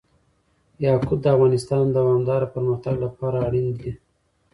یاقوت د افغانستان د دوامداره پرمختګ لپاره اړین دي.